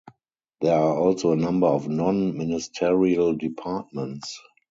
There are also a number of non-ministerial departments.